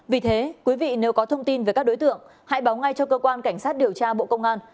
vì thế quý vị nếu có thông tin về các đối tượng hãy báo ngay cho cơ quan cảnh sát điều tra bộ công an